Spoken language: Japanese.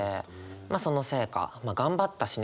まあそのせいか頑張ったしね